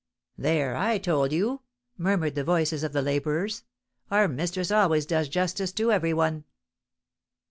"There, I told you," murmured the voices of the labourers, "our mistress always does justice to every one!"